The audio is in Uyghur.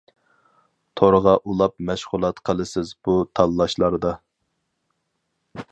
تورغا ئۇلاپ مەشغۇلات قىلىسىز بۇ تاللاشلاردا.